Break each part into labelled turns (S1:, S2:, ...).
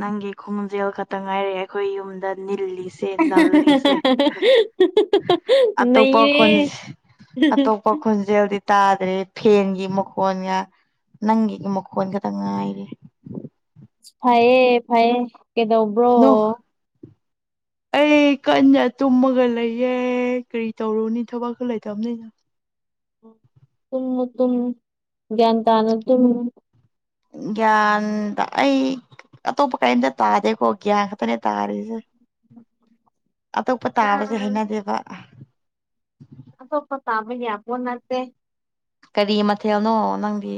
S1: ꯅꯪꯒꯤ ꯈꯣꯡꯖꯦꯜ ꯈꯛꯇ ꯉꯥꯏꯔꯛꯑꯦ ꯑꯩꯈꯣꯏ ꯌꯨꯝꯗ ꯅꯤꯜꯂꯤ ꯑꯇꯣꯞꯄ
S2: ꯅꯌꯦ
S1: ꯈꯣꯟꯖꯦꯜ ꯑꯇꯣꯞꯄ ꯈꯣꯟꯖꯦꯜꯗꯤ ꯇꯥꯗ꯭ꯔꯦ ꯐꯦꯟꯒꯤ ꯃꯈꯣꯟꯒ ꯅꯪꯒꯤ ꯃꯈꯣꯟ ꯈꯛꯇꯪ ꯉꯥꯏꯔꯤꯦ
S2: ꯐꯌꯦ ꯐꯌꯦ ꯀꯩꯗꯧ
S1: ꯅ ꯑꯩ ꯀꯟꯅ ꯇꯨꯝꯃꯒ ꯂꯩꯌꯦꯦ ꯀꯔꯤ ꯇꯧꯔꯨꯅꯤ ꯊꯕꯛ ꯈ ꯂꯩꯇꯕꯅꯤꯅ
S2: ꯇꯨꯝ ꯇꯨꯝ ꯒ꯭ꯌꯥꯟ ꯇꯥꯅ ꯇꯨꯝ
S1: ꯒ꯭ꯌꯥꯟꯗ ꯑꯩ ꯑ ꯇꯕꯨ ꯀꯩ ꯇꯥꯗꯦ ꯀꯣꯒ ꯑꯈꯇꯅꯦ ꯇꯥꯔꯁꯦ
S2: ꯎꯝ
S1: ꯑꯇꯣꯞꯄ ꯇꯥꯕꯁꯦ ꯍꯥꯏꯩꯅꯗꯦꯕ
S2: ꯑꯗꯄ ꯇꯥꯕꯅꯤ ꯄꯨꯟꯅꯠꯇꯦ
S1: ꯀꯔꯤ ꯃꯊꯦꯜꯅꯣ ꯅꯪꯗꯤ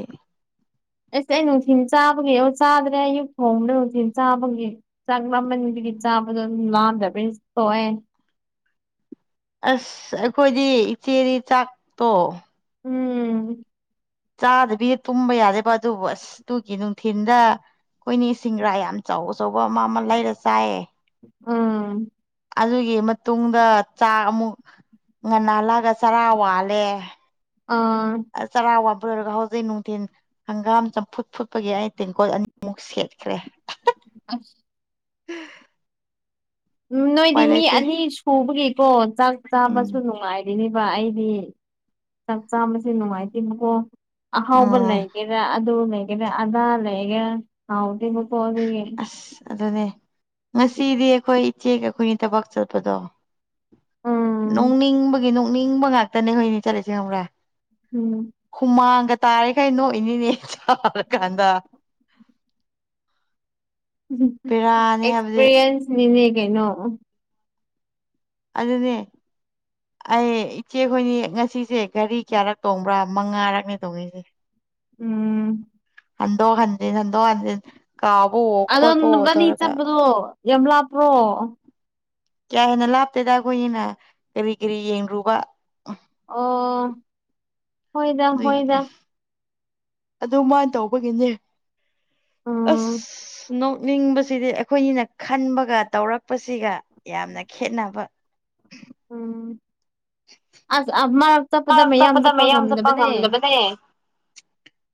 S2: ꯑꯁ ꯑꯩ ꯅꯨꯡꯊꯤꯜ ꯆꯥꯕꯒꯤ ꯑꯣ ꯆꯥꯗ꯭ꯔꯦ ꯑꯌꯨꯛ ꯊꯣꯡꯕꯗ ꯅꯨꯡꯊꯤꯜ ꯆꯥꯕꯒꯤ ꯆꯪ ꯃꯃꯟꯗꯨꯒꯤ ꯆꯥꯕꯗ ꯂꯥꯟꯗꯕ ꯇꯣꯑꯦ
S1: ꯑꯁ ꯑꯩꯈꯣꯏꯗꯤ ꯏꯆꯦꯒꯤ ꯆꯥꯛꯇꯣ
S2: ꯎꯝ
S1: ꯆꯥꯗꯕꯤ ꯇꯨꯝꯕ ꯌꯥꯗꯦꯕ ꯑꯗꯨꯕꯨ ꯑꯁ ꯑꯗꯨꯒꯤ ꯅꯨꯡꯊꯤꯤꯟꯗ ꯑꯩꯈꯣꯏꯅꯦ ꯁꯤꯡꯒꯔꯥ ꯌꯥꯝ ꯆꯥꯎ ꯑꯆꯧꯕ ꯑꯃ ꯑꯃ ꯂꯩꯔ ꯆꯥꯏꯌꯦ
S2: ꯑꯥ
S1: ꯑꯗꯨꯒꯤ ꯃꯇꯨꯡꯗ ꯆꯥꯛ ꯑꯃꯨꯛ ꯉꯟꯅ ꯅꯍꯜꯂꯛꯒ ꯆꯔꯥ ꯋꯥꯜꯂꯦ
S2: ꯑ
S1: ꯆꯥꯔꯥ ꯋꯥꯕ ꯂꯣꯏꯔꯒ ꯍꯧꯖꯤꯛ ꯅꯨꯡꯊꯤꯟ ꯍꯪꯒꯥꯝ ꯆꯝꯐꯨꯠ ꯐꯨꯠꯄꯒꯤ ꯑꯩ ꯇꯦꯡꯀꯣꯏ ꯑꯅꯤꯃꯨ ꯈꯁꯤ ꯍꯥꯏꯈ꯭ꯔꯦ
S2: ꯑ ꯎꯝ ꯅꯣꯏꯗꯤ
S1: ꯎꯄꯥꯏ
S2: ꯃꯤ
S1: ꯂꯩꯇꯦ
S2: ꯑꯅꯤ ꯁꯨꯕꯒꯤꯀꯣ ꯆꯥꯛ ꯆꯥꯕꯁꯨ
S1: ꯎꯝ
S2: ꯅꯨꯡꯉꯥꯏꯔꯤꯅꯦ ꯑꯩꯗꯤ ꯆꯥꯛ ꯆꯥꯕꯁꯤꯦ ꯅꯨꯡꯉꯥꯏꯇꯦꯕꯀꯣ ꯑꯍꯥꯎꯕ
S1: ꯎꯝ
S2: ꯂꯩꯒꯦ ꯑꯗꯨ ꯂꯩꯦꯒꯗꯦ ꯑꯗ ꯂꯩꯦꯒ ꯍꯥꯎꯗꯤ
S1: ꯑꯁ ꯑꯗꯨꯅꯦ ꯉꯁꯤꯗꯤ ꯑꯩꯈꯣꯏ ꯏꯆꯦꯒ ꯑꯩꯈꯣꯏꯅꯤ ꯊꯕꯛ ꯆꯠꯄꯗꯣ
S2: ꯎꯝ
S1: ꯅꯣꯛꯅꯤꯡꯕꯒꯤ ꯅꯣꯛꯅꯤꯡꯕ ꯉꯥꯛꯇꯅꯦ ꯍꯣꯏꯅꯦ ꯆꯠꯂꯁ ꯉꯪ꯭ꯔꯦ
S2: ꯎꯝ
S1: ꯍꯨꯃꯥꯡꯒ ꯇꯥꯔꯦꯈꯩ ꯅꯣꯛ ꯏꯅꯤꯅꯦ ꯆꯥꯔꯀꯥꯟꯗ ꯕꯦꯔꯥꯅꯤ ꯍꯥꯏꯕꯗꯤ
S2: ꯑꯦꯛꯁꯄꯤꯔꯤꯌꯦꯟꯁꯅꯤꯅꯦ ꯀꯩꯅꯣ
S1: ꯑꯗꯨꯅꯦ ꯑꯩ ꯏꯆꯦꯈꯣꯏꯅꯤ ꯉꯁꯤꯁꯦ ꯘꯔꯤ ꯀꯌꯥꯔꯛ ꯇꯣꯡꯕ꯭ꯔꯥ ꯃꯉꯥꯔꯛꯅꯦ ꯇꯣꯡꯉꯁꯦ
S2: ꯎꯝ
S1: ꯍꯟꯗꯣ ꯍꯟꯖꯤ ꯍꯟꯗꯣ ꯍꯟꯖꯤ ꯀꯥꯕꯣ
S2: ꯑꯗꯣ ꯕꯅꯤ ꯆꯠꯄꯗꯣ ꯌꯂꯥꯞꯄ꯭ꯔꯣ
S1: ꯀꯌꯥ ꯍꯦꯟꯅ ꯂꯥꯞꯇꯦꯗ ꯑꯩꯈꯣꯏꯒꯤꯅ ꯀꯔꯤ ꯀꯔꯤ ꯌꯦꯡꯂꯡꯔꯨꯕ
S2: ꯑꯣ ꯍꯣꯏꯗ
S1: ꯑꯗꯨꯏ
S2: ꯍꯣꯏꯗ
S1: ꯑꯗꯨ ꯃꯥꯅ ꯇꯧꯕꯒꯤꯅꯦ
S2: ꯎꯝ
S1: ꯑꯁ ꯅꯣꯛꯅꯤꯡꯕꯁꯤꯗꯤ ꯑꯩꯈꯣꯏꯅꯤꯅ ꯈꯟꯕꯒ ꯇꯧꯔꯛꯄꯁꯤꯒ ꯌꯥꯝꯅ ꯈꯦꯠꯅꯕ
S2: ꯎꯝ ꯑꯁ ꯃꯔꯛ ꯆꯠꯄꯗ ꯃꯌꯥꯝ ꯆꯠꯄ ꯉꯝꯗꯕꯅꯦ
S1: ꯅꯦ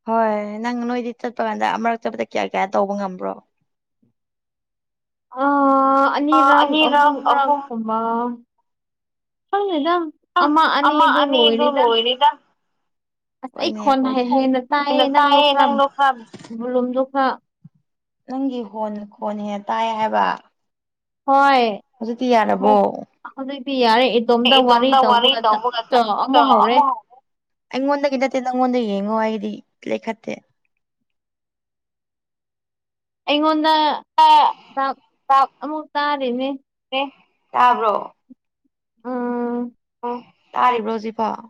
S1: ꯍꯣꯏ ꯅꯪ ꯅꯣꯏꯗꯤ ꯆꯠꯄ ꯀꯥꯟꯗ ꯑꯃꯨꯔꯛꯇꯕꯗ ꯀꯌꯥ ꯀꯌꯥ ꯇꯧꯕ ꯉꯝꯕ꯭ꯔꯣ
S2: ꯑ ꯑꯅꯤ ꯔꯪ ꯑꯍ
S1: ꯑꯅꯤꯔꯛ
S2: ꯔꯪ
S1: ꯑꯍꯨꯝ
S2: ꯐꯪꯅꯤꯗꯥꯝ ꯑꯃ ꯑꯅꯤꯗꯨ ꯂꯣꯏꯅꯤꯗꯝ
S1: ꯅꯤꯗ
S2: ꯑꯁ ꯑꯩ ꯈꯣꯟ ꯍꯥꯥ ꯍꯦꯟꯅ ꯇꯥꯏꯌꯦ ꯅꯪꯗꯣ ꯈꯔ ꯕꯤꯂꯨꯝꯗꯣ ꯈꯔ
S1: ꯅꯪꯒꯤ ꯍꯣꯟ ꯈꯣꯟ ꯍꯦꯟꯅ ꯇꯥꯏ ꯍꯥꯏꯕ
S2: ꯍꯣꯏ
S1: ꯍꯧꯖꯤꯛꯇꯤ ꯌꯥꯔꯕꯣ
S2: ꯑꯃꯨꯛ ꯍꯧꯖꯤꯛꯇꯤ ꯌꯥꯔꯦ
S1: ꯑꯩ ꯏꯇꯣꯝꯇ ꯋꯥꯔꯤ
S2: ꯇ
S1: ꯇꯧꯕꯒ
S2: ꯇꯣ ꯑꯃꯨꯛ ꯍꯧꯔꯦ
S1: [unintelligible] ꯑꯩꯉꯣꯟꯗꯒꯤ ꯅꯠꯇꯦ ꯅꯪꯉꯣꯟꯗ ꯌꯦꯡꯉꯣ ꯑꯩꯒꯤꯗꯤ ꯂꯩꯈꯠꯇꯦ
S2: ꯑꯩꯉꯣꯟꯗ ꯄꯥꯛ ꯑꯃꯨꯛ ꯇꯥꯔꯤꯅꯦ
S1: ꯑꯦ ꯇꯥꯕ꯭ꯔꯣ
S2: ꯎꯝ
S1: ꯑꯣ ꯇꯥꯔꯤꯕ꯭ꯔꯣ ꯍꯧꯖꯤꯛꯐꯥꯎ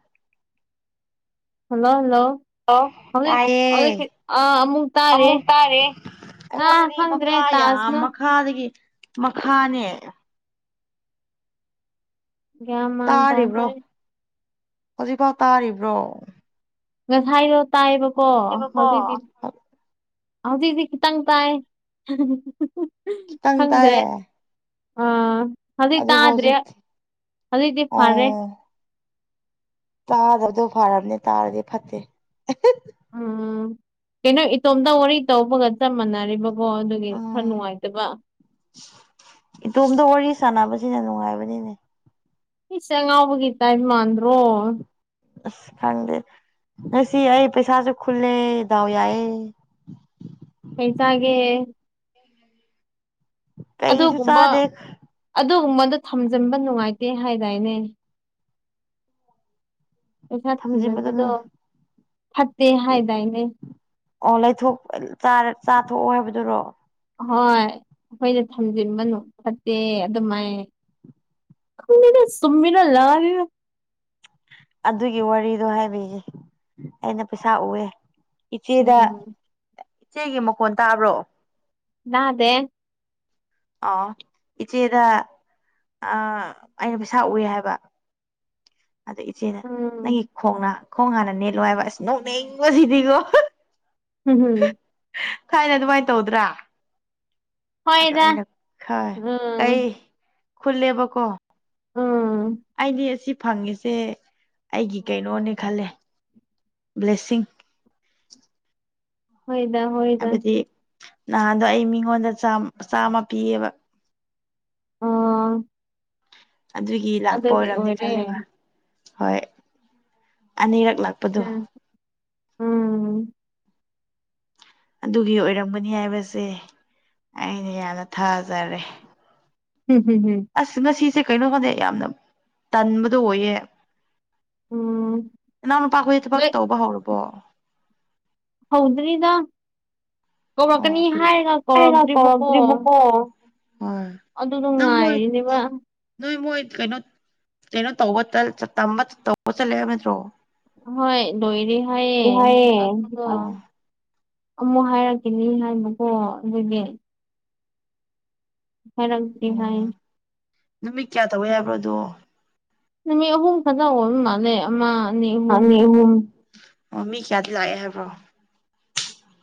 S2: ꯍꯜꯂꯣ ꯍꯜꯂꯣ ꯍꯧꯖꯤꯛ
S1: ꯇꯥꯏꯌꯦ
S2: ꯍꯧꯖꯤꯛꯇꯤ ꯑꯥ ꯑꯃꯨꯛ ꯇꯥꯔꯤꯌꯦ
S1: ꯑꯃꯨꯛ ꯇꯥꯔꯦ
S2: ꯑ ꯈꯪꯗ꯭ꯔꯦ ꯇꯥꯁꯅꯨ
S1: ꯃꯥꯗꯒꯤ ꯃꯈꯥꯅꯦ
S2: ꯒ꯭ꯌꯥꯟ ꯃꯥꯟ
S1: ꯇꯥꯔꯤꯕ꯭ꯔꯣ
S2: ꯇꯥꯗ꯭ꯔꯦ
S1: ꯍꯧꯖꯤꯛꯐꯥꯎ ꯇꯥꯔꯤꯕ꯭ꯔꯣ
S2: ꯉꯁꯥꯏꯗꯣ ꯇꯥꯏꯑꯕꯀꯣ
S1: ꯍꯥꯏꯕꯀꯣ
S2: ꯍꯧꯖꯤꯛꯇꯤ ꯍꯧꯖꯤꯛꯇꯤ ꯈꯤꯇꯪ ꯇꯥꯏ
S1: ꯈꯤꯇꯪ
S2: ꯈꯪꯗ꯭ꯔꯦ
S1: ꯇꯥꯏꯌꯦ
S2: ꯑꯥ ꯍꯧꯖꯤꯛ
S1: ꯑꯗꯨꯕꯨ
S2: ꯇꯥꯗ꯭ꯔꯦ
S1: ꯍꯧꯖꯤꯛꯇꯤ
S2: ꯍꯧꯖꯤꯛꯇꯤ ꯐꯔꯦ
S1: ꯑꯣ ꯇꯥꯗꯕꯗꯣ ꯐꯔꯕꯅꯦ ꯇꯥꯔꯗꯤ ꯐꯠꯇꯦ
S2: ꯎꯝ ꯀꯩꯅꯣ ꯏꯇꯣꯝꯇ ꯋꯥꯔꯤ ꯇꯧꯕꯒ ꯆꯞ ꯃꯥꯟꯅꯔꯦꯕ ꯑꯣ ꯑꯗꯨꯒꯤ ꯈꯔ ꯅꯨꯡꯉꯥꯏꯇꯕ
S1: ꯏꯇꯣꯝꯗ ꯋꯥꯔꯤ ꯁꯥꯟꯅꯕꯁꯤꯅ ꯅꯨꯡꯉꯥꯏꯕꯅꯤꯅꯦ
S2: ꯏꯁ ꯉꯥꯎꯕꯒꯤ ꯇꯥꯏꯞ ꯃꯥꯟꯗ꯭ꯔꯣ
S1: ꯑꯁ ꯈꯪꯗꯦ ꯉꯁꯤ ꯑꯩ ꯄꯩꯁꯥꯁꯨ ꯈꯨꯜꯂꯦ ꯗꯥꯎ ꯌꯥꯏꯌꯦ
S2: ꯀꯩ ꯆꯥꯒꯦ
S1: [inaudible] ꯀꯩꯁꯨ
S2: ꯑꯗꯨꯒꯨꯝꯕ
S1: ꯆꯥꯗꯦ
S2: ꯑꯗꯨꯒꯨꯝꯕꯗꯣ ꯊꯝꯖꯟꯕ ꯅꯨꯡꯉꯥꯏꯇꯦ ꯍꯥꯏꯗꯥꯏꯅꯦ ꯄꯩꯁꯥ ꯊꯝꯖꯟꯕꯗꯣ
S1: ꯊꯝꯖꯤꯟꯕꯗꯨꯅ
S2: ꯐꯠꯇꯦ ꯍꯥꯏꯗꯥꯏꯅꯦ
S1: ꯑꯣ ꯂꯩꯊꯣꯛ ꯇꯥꯔ ꯆꯥꯊꯣꯛꯑꯣ ꯍꯥꯏꯕꯗꯨꯔꯣ
S2: ꯍꯣꯏ ꯑꯈꯣꯏꯗ ꯊꯝꯖꯤꯟꯕ ꯅꯨ ꯐꯠꯇꯦ ꯑꯗꯨꯃꯥꯏ ꯈꯪꯗꯦꯗꯥ ꯆꯨꯝꯃꯤꯔꯥ ꯂꯥꯜꯂꯤꯔꯥ
S1: ꯑꯗꯨꯒꯤ ꯋꯥꯔꯤꯗꯣ ꯍꯥꯏꯕꯤꯒꯦ ꯑꯩꯅ ꯄꯩꯁꯥ ꯎꯌꯦ ꯏꯆꯦꯗ
S2: ꯎꯝ
S1: ꯏꯆꯦꯒꯤ ꯃꯈꯣꯟ ꯇꯥꯕ꯭ꯔꯣ
S2: ꯇꯥꯗꯦ
S1: ꯑꯣ ꯏꯆꯦꯗ ꯑ ꯑꯩꯅ ꯄꯩꯁꯥ ꯎꯏ ꯍꯥꯏꯕ ꯑꯗꯨ ꯏꯆꯦꯅ
S2: ꯎꯝ
S1: ꯅꯪꯒꯤ ꯈꯣꯡꯂ ꯈꯣꯡ ꯍꯥꯟꯅ ꯅꯦꯠꯂꯣ ꯍꯥꯏꯕ ꯑꯁ ꯅꯣꯛꯅꯤꯡꯕ ꯁꯤꯗꯤꯀꯣ
S2: [unintelligible]
S1: ꯊꯥꯏꯅ ꯑꯗꯨꯃꯥꯏꯅ ꯇꯧꯗ꯭ꯔꯥ ꯑꯁ
S2: ꯍꯣꯏꯗ
S1: ꯑꯩꯅ ꯈꯔ ꯀꯩ
S2: ꯎꯝ
S1: ꯈꯨꯜꯂꯦꯕꯀꯣ
S2: ꯎꯝ
S1: ꯑꯩꯗꯤ ꯐꯪꯉꯤꯁꯦ ꯑꯩꯒꯤ ꯀꯩꯅꯣꯅꯤ ꯈꯜꯂꯦ ꯕ꯭ꯂꯦꯁꯤꯡ
S2: ꯍꯣꯏꯗ ꯍꯣꯏ
S1: ꯍꯥꯏꯕꯗꯤ ꯅꯍꯥꯟꯗꯣ ꯑꯩ ꯃꯤꯉꯣꯟꯗ ꯆꯥꯝ ꯆꯥꯝꯃ ꯄꯤꯌꯦꯕ
S2: ꯑꯣ
S1: ꯑꯗꯨꯒꯤ ꯂꯥꯛꯄ
S2: ꯑꯗꯨꯒꯤ
S1: ꯑꯣꯏꯔꯝꯅꯤ
S2: ꯑꯣꯏꯔꯦ
S1: ꯈꯜꯂꯦꯕ ꯍꯣꯏ ꯑꯅꯤꯔꯛ ꯂꯥꯛ
S2: ꯎꯝ ꯎꯝ
S1: ꯑꯗꯨꯒꯤ ꯑꯣꯏꯔꯝꯒꯅꯤ ꯍꯥꯏꯕꯁꯦ ꯑꯩꯅ ꯌꯥꯝꯅ ꯊꯥꯖꯔꯦ
S2: [inaudible]
S1: ꯑꯁ ꯉꯁꯤꯁꯦ ꯀꯩꯅꯣ ꯈꯪꯗꯦ ꯌꯥꯝꯅ ꯇꯟꯕꯗꯣ ꯑꯣꯏꯌꯦ
S2: ꯎꯝ
S1: ꯅꯅꯥꯎ ꯅꯨꯄꯥꯈꯣꯏ ꯊꯕꯛ
S2: ꯅꯣꯏ
S1: ꯇꯧꯕ ꯍꯧꯔꯕꯣ
S2: ꯍꯧꯗ꯭ꯔꯤꯗ ꯀꯧꯔꯛꯀꯅꯤ
S1: ꯑꯣ ꯀꯔꯤ
S2: ꯍꯥꯏꯔꯒ
S1: ꯍꯥꯏꯔ
S2: ꯀꯧꯔꯛꯇ꯭ꯔꯤꯕꯀꯣ
S1: ꯍꯣꯏ
S2: ꯑꯗꯨꯗꯣ
S1: ꯅꯪ ꯃꯣꯏ
S2: ꯉꯥꯏꯔꯤꯅꯦꯕ
S1: ꯅꯣꯏ ꯃꯣꯏ ꯀꯩꯅꯣ ꯀꯩꯅꯣ ꯇꯧꯕ ꯇꯧꯕ ꯆꯠꯂꯦ ꯍꯥꯏꯕ ꯅꯠꯇ꯭ꯔꯣ
S2: ꯍꯣꯏ ꯂꯣꯏꯔꯤ ꯍꯥꯏꯌꯦꯦ
S1: ꯍꯥꯏꯌꯦ
S2: ꯑ
S1: ꯑꯣ
S2: ꯑꯃꯨꯛ ꯍꯥꯏꯔꯛꯀꯅꯤ ꯍꯥꯏꯕꯀꯣ ꯑꯗꯨꯗꯤ ꯍꯪꯗꯤ ꯍꯥꯏ
S1: ꯅꯨꯃꯤꯠ ꯀꯌꯥ ꯇꯧꯕ ꯌꯥꯕ꯭ꯔꯣꯗꯣ
S2: ꯅꯨꯃꯤꯠ ꯑꯍꯨꯝ ꯈꯖꯅ ꯑꯣꯏ ꯃꯥꯜꯂꯦ ꯑꯃ ꯑꯅꯤ ꯑꯍꯨꯝ
S1: ꯅꯤ ꯑꯣ ꯃꯤ ꯀꯌꯥꯗꯤ ꯂꯥꯛꯑꯦ ꯍꯥꯏꯕ꯭ꯔꯣ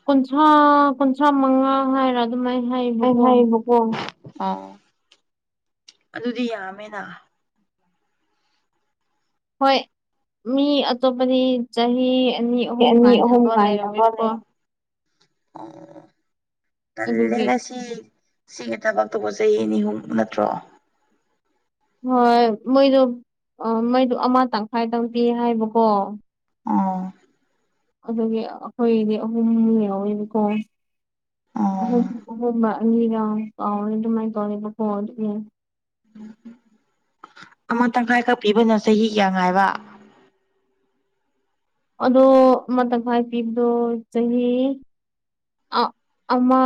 S2: ꯀꯨꯟꯊ꯭ꯔꯥ ꯀꯨꯟꯊ꯭ꯔꯥ ꯃꯉꯥ ꯍꯥꯏꯔ ꯑꯗꯨꯃꯥꯏꯅ ꯍꯩꯕꯀꯣ
S1: ꯑꯣ ꯑꯣ ꯑꯗꯨꯗꯤ ꯌꯥꯝꯃꯦꯅ
S2: ꯍꯣꯏ ꯃꯤ ꯑꯇꯣꯞꯄꯗꯤ ꯆꯍꯤ ꯑꯅꯤ ꯑꯍꯨꯝ
S1: ꯑꯅꯤ ꯑꯍꯨꯝ
S2: ꯉꯥꯏꯅꯕ
S1: ꯉꯥꯏꯅꯕ
S2: ꯂꯩꯔꯝꯃꯦꯕꯀꯣ
S1: ꯂꯩꯔꯝꯃꯣ ꯑꯣ
S2: ꯑꯗꯨꯒꯤ
S1: ꯇꯂꯦꯅꯁꯤ ꯁꯤꯒꯤ ꯊꯕꯛꯇꯧꯕ ꯆꯍꯤ ꯑꯅꯤ ꯑꯍꯨꯨꯝ ꯅꯠꯇ꯭ꯔꯣ
S2: ꯍꯣꯏ ꯃꯣꯏꯗꯣ ꯃꯣꯏꯗꯣ ꯑꯃ ꯇꯪꯈꯥꯏꯗꯪ ꯄꯤ ꯍꯥꯏꯕꯀꯣ
S1: ꯑ
S2: ꯑꯗꯨꯒꯤ ꯑꯩꯈꯣꯏꯗꯤ ꯑꯍꯨꯝ ꯌꯥꯎꯋꯕꯀꯣ ꯍ
S1: ꯑꯣ
S2: ꯍꯔ ꯀꯥꯎ ꯑꯗꯨ ꯃꯥꯏ ꯇꯧꯅꯤꯕ ꯐꯣ
S1: ꯑꯃ ꯇꯪꯈꯥꯏ ꯀꯛ ꯄꯤꯕꯅꯣ ꯆꯍꯤ ꯀ꯭ꯌꯥ ꯉꯥꯏꯕ
S2: ꯑꯗꯣ ꯑꯃ ꯇꯪꯈꯥꯏ ꯄꯤꯕꯗꯣ ꯆꯍꯤ ꯑ ꯑꯃ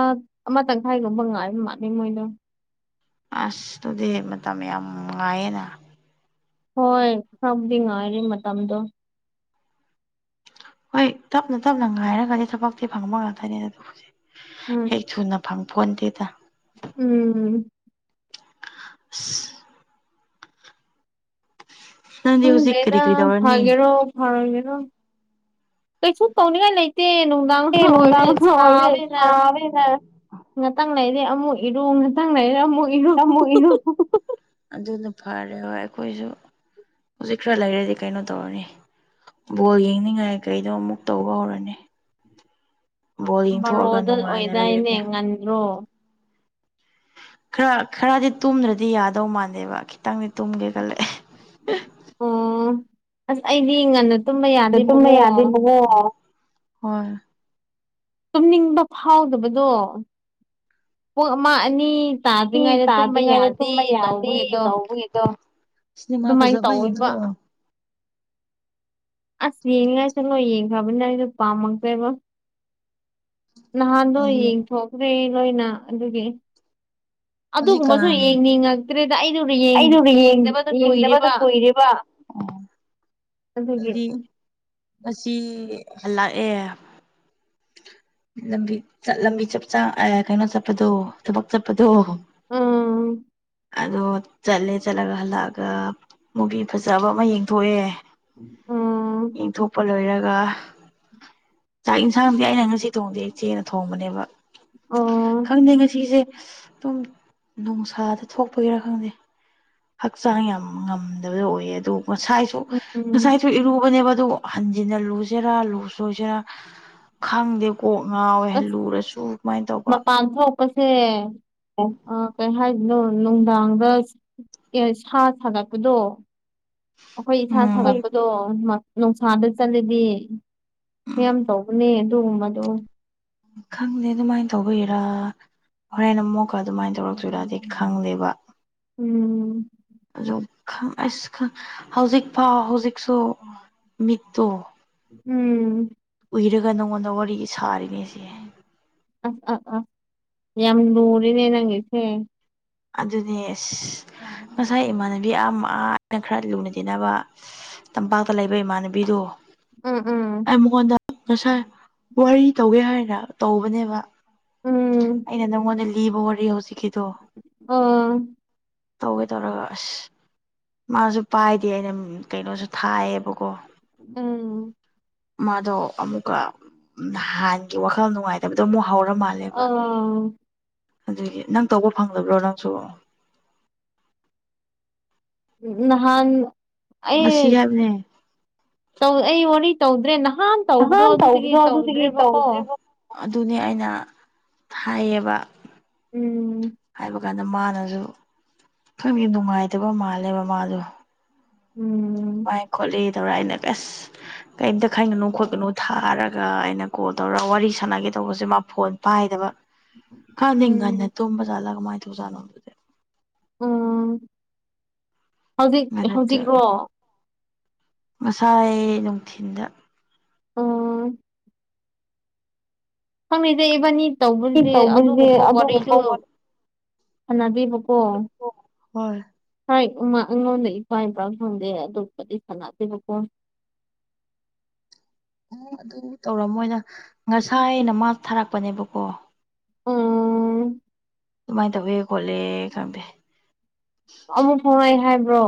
S2: ꯑꯃ ꯇꯪꯈꯥꯏꯒꯨꯝꯕ ꯉꯥꯏ ꯃꯥꯅꯤ ꯃꯣꯏꯗꯣ
S1: ꯑꯁꯇꯨꯗꯤ ꯃꯇꯝ ꯌꯥꯝ ꯉꯥꯏꯌꯦꯅ
S2: ꯍꯣꯏ ꯍꯥꯞꯗꯤ ꯉꯥꯏꯔꯤꯦ ꯃꯇꯝꯗꯣ
S1: ꯍꯣꯏ ꯇꯞꯅ ꯇꯞꯅ ꯉꯥꯏꯔꯒꯗꯤ ꯊꯕꯛꯇꯤ ꯐꯪꯕ ꯉꯥꯛꯇꯅꯦ ꯑꯗꯨ ꯍꯧꯖꯤ
S2: ꯎꯝ
S1: ꯍꯦꯛ ꯊꯨꯅ ꯐꯪ ꯐꯣꯟꯗꯦꯗ
S2: ꯎꯝ
S1: ꯑ ꯅꯪꯗꯤ
S2: ꯍꯪ
S1: ꯍꯧꯖꯤꯛ ꯀꯔꯤ
S2: ꯃꯦꯗꯥ
S1: ꯀꯔꯤ ꯇꯧꯔꯅꯤ
S2: ꯐꯔꯣ ꯍ ꯌꯦꯅ ꯇꯁꯨ ꯇꯧꯅꯤꯒ ꯂꯩꯇꯅ
S1: ꯑꯦ ꯅꯨꯡꯗꯥꯡ
S2: ꯑꯣꯏꯔ
S1: ꯑꯣꯏꯕꯅꯤꯅ
S2: ꯁꯕꯦꯅ
S1: ꯁꯥꯕꯅꯤꯅ
S2: ꯉꯥꯛꯇꯪ ꯂꯩꯔꯦ ꯑꯃꯨꯛ ꯏꯔꯨ ꯉꯥꯛꯇꯪ ꯂꯩꯔꯦ ꯑꯃꯨꯛ ꯏꯔꯨ
S1: ꯇꯃꯅꯨ ꯑꯗꯨꯅ ꯐꯔꯦ ꯍꯣꯏ ꯑꯩꯈꯣꯏꯁꯨ ꯍꯧꯖꯤꯛ ꯈꯔ ꯂꯩꯔꯗꯤ ꯀꯩꯅꯣ ꯇꯧꯔꯅꯤ ꯕꯣꯜ ꯌꯦꯡꯅꯤꯡꯉꯥꯏ ꯀꯩꯗꯣ ꯑꯃꯨꯛ ꯇꯧꯕ ꯍꯧꯔꯅꯤ ꯕꯣꯜ ꯌꯦꯡꯊꯣꯛꯑꯒ ꯅꯨꯡꯉꯥꯏꯅ ꯂꯩꯔꯒꯦ
S2: ꯅꯟ꯭ꯔꯣ
S1: ꯈꯔ ꯈꯔꯗꯤ ꯇꯨꯝꯗ꯭ꯔꯗꯤ ꯌꯥꯗꯧ ꯃꯥꯟꯗꯦꯕ ꯈꯤꯇꯪꯗꯤ ꯇꯨꯝꯒꯦ ꯈꯜꯂꯛꯑꯦ
S2: ꯑꯣ ꯑꯁ ꯑꯩꯗꯤ ꯉꯟꯅ ꯇꯨꯝꯕ
S1: ꯇꯨꯝꯅ
S2: ꯌꯥꯗꯦꯕꯀꯣ
S1: ꯌꯥꯗꯦ ꯃ ꯍꯣꯏ
S2: ꯇꯨꯝꯅꯤꯡꯕ ꯐꯥꯎꯗꯕꯗꯣ ꯄꯨꯡ ꯑꯃ ꯑꯅꯤ
S1: ꯃꯤ
S2: ꯇꯥꯗ꯭ꯔꯤꯉꯩꯗ ꯇꯨꯝꯕ
S1: ꯇꯥꯗ꯭ꯔꯤꯉꯩꯗ
S2: ꯌꯥꯗꯦ
S1: ꯇꯨꯝꯕ ꯌꯥꯗꯦ
S2: ꯇꯧꯕꯒꯤꯗꯣ
S1: ꯇꯧꯕꯒꯤꯗꯣ ꯁꯤꯅꯦꯃꯥ
S2: ꯑꯗꯨꯃꯥꯏꯅ
S1: ꯐꯖꯕ
S2: ꯇꯧꯕ
S1: ꯌꯦꯡꯊꯣꯛꯑꯣ
S2: ꯑꯁ ꯌꯦꯡꯉꯉꯥꯏ ꯆꯠꯂꯣ ꯌꯦꯡꯈ꯭ꯔꯕꯅꯤꯅ ꯑꯩꯁꯨ ꯄꯥꯝꯃꯛꯇꯦꯕ ꯅꯍꯥꯟꯗꯣ
S1: ꯍꯥꯏꯗꯤ
S2: ꯌꯦꯡꯊꯣꯛꯈ꯭ꯔꯦ ꯂꯣꯏꯅ ꯑꯗꯨꯒꯤ ꯑꯗꯨꯒꯨꯝꯕꯁꯨ
S1: ꯍꯧꯖꯤꯛꯀꯥꯟ
S2: ꯌꯦꯡꯅꯤꯡꯉ ꯠꯇ꯭ꯔꯦꯗ ꯑꯩꯗꯣ
S1: ꯑꯩꯗꯨꯒ
S2: ꯌꯦꯡꯗꯕꯗ
S1: ꯌꯦꯡꯗꯕꯗ
S2: ꯀꯨꯏꯔꯦꯕ
S1: ꯀꯨꯏꯔꯦꯕ
S2: ꯑꯗꯨꯗꯒꯤ
S1: ꯑꯁꯤ ꯍꯜꯂꯥꯛꯑꯦ ꯂꯝꯕꯤ ꯂꯝꯕꯤ ꯆꯞ ꯆ ꯀꯩꯅꯣ ꯆꯠꯄꯗꯣ ꯊꯕꯛ ꯆꯠꯄꯗꯣꯣ
S2: ꯎꯝ
S1: ꯑꯗꯣ ꯆꯠꯂꯦ ꯆꯠꯂꯒ ꯍꯜꯂꯛꯑꯒ ꯃꯨꯒꯤ ꯐꯖꯕ ꯑꯃ ꯌꯦꯡꯊꯣꯛꯑꯦ
S2: ꯑꯣ
S1: ꯏꯟꯊꯣꯛꯄ ꯂꯣꯏꯔꯒ ꯆꯥꯛ ꯌꯦꯟꯁꯥꯡꯗꯤ ꯑꯩꯅ ꯉꯁꯤ ꯊꯣꯡꯗꯦ ꯏꯆꯦꯅ ꯊꯣꯡꯕꯅꯦꯕ
S2: ꯑꯣ
S1: ꯈꯪꯗꯦ ꯉꯁꯤꯁꯦ ꯄꯨꯡ ꯅꯨꯡꯁꯥꯗ ꯊꯣꯛꯄꯒꯤꯔꯥ ꯈꯪꯗꯦ ꯍꯛꯆꯥꯡ ꯌꯥꯝ ꯉꯝꯗꯕꯗꯣ ꯑꯣꯏꯌꯦ ꯑꯗꯨ ꯉꯁꯥꯏꯁꯨ
S2: ꯎꯝ ꯎꯝ
S1: ꯉꯁꯥꯏꯁꯨ ꯏꯔꯨꯕꯅꯦꯕ ꯑꯗꯨ ꯍꯟꯖꯤꯟꯅ ꯂꯨꯁꯤꯦꯔꯥ ꯂꯨ ꯁꯣꯏꯁꯤꯦꯔꯥ ꯈꯪꯗꯦ ꯀꯣꯛ
S2: ꯑꯁ
S1: ꯉꯥꯎꯋꯦꯍꯜꯂꯨꯔꯁꯨ ꯀꯃꯥꯏꯅ ꯇꯧꯕ ꯎꯝ
S2: ꯑꯣ ꯀꯩ ꯍꯥꯏꯗꯅꯣ ꯅꯨꯡꯗꯥꯡꯗ ꯁꯥ ꯁꯥꯒꯠꯄꯗꯣ ꯑꯩꯈꯣꯏ ꯏꯁꯥ ꯁꯥꯒꯠꯄ
S1: ꯎꯝ
S2: ꯑꯗꯣ ꯅꯨꯡꯁꯥꯗ ꯆꯠꯂꯗꯤ ꯃꯌꯥꯝ ꯇꯧꯕꯅꯦ ꯑꯗꯨꯒꯕꯗꯣ
S1: ꯈꯪꯗꯦ ꯑꯗꯨꯃꯥꯏꯅ ꯇꯧꯕꯒꯤꯔꯥ ꯍꯣꯔꯦꯟ ꯑꯃꯨꯛꯀ ꯑꯗꯨꯃꯥꯏꯅ ꯇꯧꯔꯛꯁꯨꯗꯗꯤ ꯈꯪꯗꯦꯕ
S2: ꯎꯝ
S1: ꯑꯣ ꯑꯁ ꯍꯧꯖꯤꯛ ꯐꯥꯎ ꯍꯧꯖꯤꯛꯁꯨ ꯃꯤꯠꯇꯣ
S2: ꯎꯝ
S1: ꯎꯏꯔꯒ ꯅꯪꯉꯣꯟꯗ ꯋꯥꯔꯤ ꯁꯥꯔꯤꯉꯁꯦ
S2: ꯑꯁ ꯑ ꯑꯁ ꯌꯥꯝ ꯂꯨꯔꯤꯅꯦ ꯅꯪꯒꯤꯁꯦ
S1: ꯑꯗꯨꯅꯦ ꯑꯁ ꯉꯁꯥꯏ ꯏꯃꯥꯟꯅꯕꯤ ꯑꯃ ꯑꯅ ꯈꯔ ꯂꯨꯅ ꯇꯤꯟꯅꯕ ꯇꯝꯄꯥꯛꯇ ꯂꯩꯕ ꯏꯃꯥꯟꯅꯕꯤꯗꯣ
S2: ꯎ ꯎꯥ
S1: ꯑꯩꯉꯣꯟꯗ ꯉꯁꯥꯏ ꯋꯥꯔꯤ ꯇꯧꯒꯦ ꯍꯥꯏꯅ ꯇꯧꯕꯅꯦꯕ
S2: ꯎꯝ
S1: ꯑꯩꯅ ꯅꯪꯉꯣꯟꯗ ꯂꯤꯕ ꯋꯥꯔꯤ ꯍꯧꯖꯤꯛꯀꯤ
S2: ꯑꯣ
S1: ꯇꯧꯒꯦ ꯇꯧꯔꯒ ꯑꯁ ꯃꯥꯁꯨ ꯄꯥꯏꯗꯦ ꯑꯩꯅ ꯀꯩꯅꯣꯁꯨ ꯊꯥꯏꯌꯦꯕꯀꯣ
S2: ꯎꯝ
S1: ꯃꯥꯗꯣ ꯑꯃꯨꯛꯀ ꯍꯥꯟꯒꯤ ꯋꯥꯈꯜ ꯅꯨꯡꯉꯥꯏꯇꯕꯗꯣ ꯑꯃꯨꯛ ꯍꯧꯔ ꯃꯥꯜꯂꯦ
S2: ꯑꯥ
S1: ꯑꯗꯨꯒꯤ ꯅꯪ ꯇꯧꯕ ꯐꯪꯗꯕ꯭ꯔꯣ ꯅꯪꯁꯨ
S2: ꯎ ꯅꯍꯥꯟ
S1: ꯉꯁꯤ
S2: ꯑꯩ
S1: ꯍꯥꯏꯕꯅꯦ
S2: ꯧ ꯑꯩ ꯋꯥꯅꯤ ꯇꯧꯗ꯭ꯔꯦ ꯅꯍꯥꯟ ꯇꯧꯕꯗꯣ
S1: ꯅꯍꯥꯟ
S2: ꯑꯗꯨꯗꯒꯤ
S1: ꯇꯧꯕꯗꯣ ꯑꯗꯨꯗꯒꯤ
S2: ꯇꯧꯗ꯭ꯔꯦꯕꯀꯣ
S1: ꯇꯧꯗ꯭ꯔꯤꯕ ꯑꯗꯨꯅꯤ ꯑꯩꯅ ꯊꯥꯏꯌꯦꯕ
S2: ꯎꯝ
S1: ꯍꯥꯏꯕ ꯑꯗꯨ ꯀꯥꯟꯗ ꯃꯥꯅꯁꯨ ꯈꯪꯒꯤ ꯅꯨꯡꯉꯥꯏꯇꯕ ꯃꯥꯜꯂꯦꯕ ꯃꯥꯗꯣ
S2: ꯎꯝ
S1: ꯥꯏ ꯈꯣꯠꯂꯤꯗꯧꯔ ꯑꯅ ꯀꯁ ꯀꯩꯇ ꯈꯪꯒꯅꯨ ꯈꯣꯠꯀꯅꯨ ꯊꯥꯔꯒ ꯑꯩꯅ ꯀꯣꯜ ꯇꯧꯔꯒ ꯋꯥꯔꯤ ꯁꯥꯟꯅꯒꯦ ꯇꯧꯕꯁꯦ ꯃꯥ ꯐꯣꯟ ꯄꯥꯏꯗꯕ
S2: ꯎꯝ
S1: ꯀꯅꯤꯡ ꯉꯅꯤ ꯇꯨꯝꯝꯕ ꯆꯥꯂꯒ ꯃꯥꯥꯏ ꯇꯖꯥꯅꯣꯗꯨꯗꯤꯦ
S2: ꯎꯝ ꯍꯧꯖꯤꯛ
S1: ꯉꯟꯅ
S2: ꯍꯧꯖꯤꯛꯔꯣ
S1: ꯉꯁꯥꯏ ꯅꯨꯡꯊꯤꯟꯗ
S2: ꯑꯣ ꯈꯪꯗꯦꯗ ꯏꯕꯅꯤ ꯇꯧꯕꯗꯨꯗꯤ
S1: ꯇꯧꯕꯁꯦ
S2: ꯑꯗꯨꯒꯨꯝꯕ
S1: ꯑꯗꯨꯒꯨꯝꯕ
S2: ꯋꯥꯔꯤꯗꯨ ꯁꯅꯗꯦꯕꯀꯣ
S1: ꯍꯣꯏ
S2: ꯍꯥꯏ ꯎꯃ ꯑꯩꯉꯣꯟꯗ ꯏꯄꯥ ꯏꯄꯥ ꯐꯪꯗꯦ ꯑꯇꯣꯞꯄꯗꯤ ꯁꯅꯥꯗꯦꯕ ꯀꯣ
S1: ꯎꯝ ꯑꯗꯨ ꯇꯧꯔꯝꯃꯣꯏꯅ ꯉꯁꯥꯏ ꯑꯅ ꯃꯥ ꯊꯥꯔꯛꯄꯅꯦꯕꯀꯣ
S2: ꯎꯝ
S1: ꯑꯗꯨꯃꯥꯏꯅ ꯇꯧꯋꯦ ꯈꯣꯠꯂꯦ ꯈꯪꯗꯦ
S2: ꯑꯃꯨꯛ ꯐꯥꯎꯉꯥꯏ ꯍꯥꯏꯕ꯭ꯔꯣ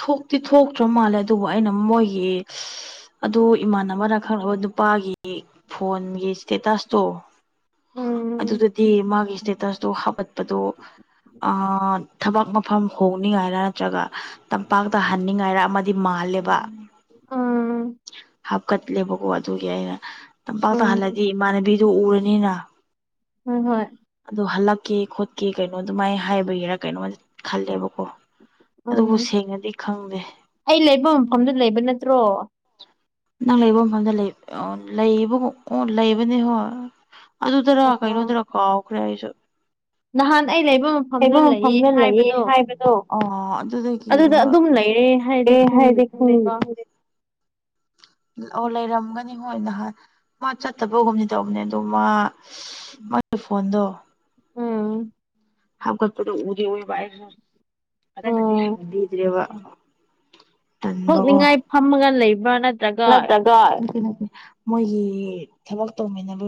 S1: ꯊꯣꯛꯇꯤ ꯊꯣꯛꯇ꯭ꯔ ꯃꯥꯜꯂꯦ ꯑꯗꯨꯕꯨ ꯑꯩꯅ ꯃꯣꯏꯒꯤ ꯑꯗ ꯏꯃꯥꯟꯅꯕꯅ ꯈꯪꯒ ꯅꯨꯄꯥꯒꯤ ꯐꯣꯟꯒꯤ ꯏꯁꯇꯦꯇꯥꯁꯇꯣ
S2: ꯎꯝ
S1: ꯑꯗꯨꯗꯗꯤ ꯃꯥꯒꯤ ꯏꯁꯇꯦꯇ ꯑꯗꯨ ꯍꯥꯒꯠꯄꯗꯣ ꯊꯕꯛ ꯃꯐꯝ ꯍꯣꯡꯅꯤꯡꯉꯥꯏꯔ ꯅꯠꯇ꯭ꯔꯒ ꯇꯝꯄꯥꯛꯇ ꯍꯟꯅꯤꯡꯉꯥꯏꯔ ꯑꯃꯗꯤ ꯃꯥꯜꯂꯦꯕ
S2: ꯑꯝ
S1: ꯍꯥꯞꯀꯠꯂꯦꯕꯀꯣ ꯑꯗꯨꯒꯤ ꯑꯩꯅ ꯇꯝꯄꯥꯛ
S2: ꯎꯝ
S1: ꯇꯥꯍꯜꯂꯗꯤ ꯏꯃꯥꯟꯅꯕꯤꯗꯨ ꯎꯔꯅꯤꯅ
S2: ꯍꫭꯏ-ꯍꯣꯏ
S1: ꯑꯗꯣ ꯍꯜꯂꯛꯀꯦ ꯈꯣꯠꯀꯦ ꯀꯩꯅꯣ ꯑꯗꯨꯃꯥꯏꯅ ꯍꯥꯏꯕꯒꯤꯔꯥ ꯀꯩꯅꯣ ꯈꯜꯂꯦꯕꯀꯣ ꯑꯗꯨꯕꯨ
S2: ꯎꯝ
S1: ꯁꯦꯡꯅꯗꯤ ꯈꯪꯗꯦ
S2: ꯑꯩ ꯂꯩꯕ ꯃꯐꯝꯗꯨ ꯂꯩꯕ ꯅꯠꯇ꯭ꯔꯣ
S1: ꯅꯪ ꯂꯩꯕ ꯃꯐꯝꯗ ꯂꯩ ꯂꯩꯕ ꯂꯩꯕꯅꯦ ꯍꯣꯏ ꯑꯗꯨꯗꯔ
S2: ꯑꯣ
S1: ꯀꯩꯅꯣꯗꯔ ꯀꯥꯎꯈ꯭ꯔꯦ ꯑꯩꯁꯨ
S2: ꯅꯍꯥꯟ ꯑꯩ ꯂꯩꯐꯝ
S1: ꯂꯩꯕ ꯃꯐꯝꯗ ꯂꯩꯌꯦ ꯍꯥꯏꯕꯗꯣ
S2: ꯑꯗꯨꯗ
S1: ꯍꯣꯏ
S2: ꯑꯗꯨꯝ ꯂꯩꯔꯦ ꯍꯥꯏ
S1: ꯑꯦ ꯍꯥꯏꯗꯤ ꯑꯣ ꯂꯩꯔꯝꯒꯅꯤ ꯍꯣꯏ ꯅꯍꯥꯟ ꯃꯥ ꯆꯠꯇꯕ ꯑꯒꯨꯝꯅꯤ ꯇꯧꯕꯅꯦ ꯑꯗꯣ ꯃꯥ ꯃꯥꯒꯤ ꯐꯣꯟꯗꯣ
S2: ꯎꯝ
S1: ꯍ ꯀꯄꯗ ꯎꯗꯤꯕ ꯑꯗ ꯅꯪ
S2: ꯑꯣ
S1: ꯍꯗꯤꯗ꯭ꯔꯦꯕ
S2: ꯊꯣꯛꯅꯤꯡꯉꯥꯏ ꯐꯝꯃꯒ ꯂꯩꯕ꯭ꯔꯥ ꯅꯠꯇ꯭ꯔꯒ
S1: ꯀꯩꯅꯣ ꯃꯣꯏꯒꯤ ꯊꯕꯛ ꯇꯧꯃꯤꯟꯅꯕ